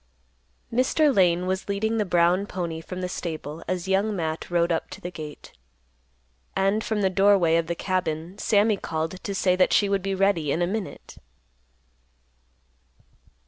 Mr. Lane was leading the brown pony from the stable as Young Matt rode up to the gate; and from the doorway of the cabin Sammy called to say that she would be ready in a minute.